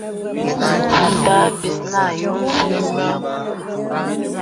Àtâ bis nə àyo zinə.